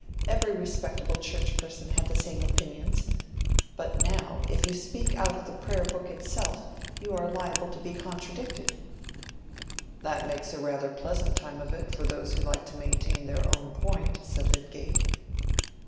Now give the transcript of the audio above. Every respectable Church person had the same opinions. But now, if you speak out of the Prayer book itself, you are liable to be contradicted." "That makes rather a pleasant time of it for those who like to maintain their own point," said Lydgate.